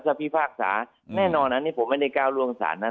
ถ้าพิพากษาแน่นอนอันนี้ผมไม่ได้ก้าวล่วงศาลนะ